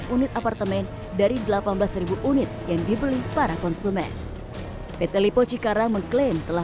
empat ribu delapan ratus unit apartemen dari delapan belas unit yang dibeli para konsumen pt lipo cikarang mengklaim telah